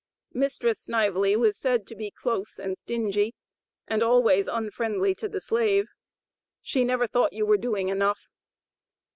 Mistress Snively was said to be close and stingy, and always unfriendly to the slave. "She never thought you were doing enough."